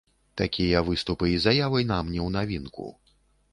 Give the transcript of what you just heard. Такія выступы і заявы нам не ў навінку.